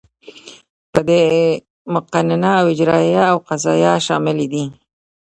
په دې کې مقننه او اجراییه او قضاییه شاملې دي.